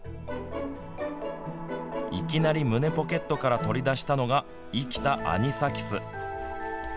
いきなり胸ポケットから取り出したのが生きたアニサキス。